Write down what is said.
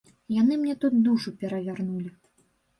Яны мне тут душу перавярнулі.